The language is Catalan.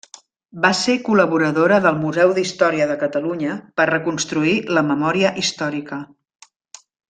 Va ser col·laboradora del Museu d'Història de Catalunya per a reconstruir la memòria històrica.